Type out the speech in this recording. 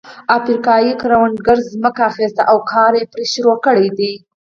افریقايي کروندګرو ځمکه اخیستې او کار یې پرې پیل کړی دی.